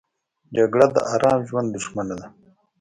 جګړه د آرام ژوند دښمنه ده